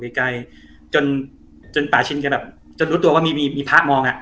ไกลไกลจนจนป่าชินแกแบบจนรู้ตัวว่ามีมีพระมองอ่ะ